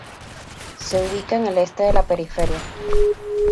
Se ubica en el este de la periferia.